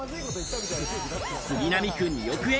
杉並区２億円！